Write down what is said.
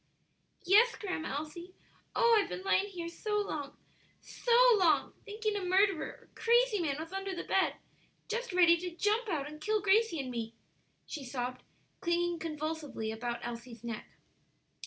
"Yes, Grandma Elsie; oh, I've been lying here so long, so long, thinking a murderer or crazy man was under the bed, just ready to jump out and kill Gracie and me!" she sobbed, clinging convulsively about Elsie's neck.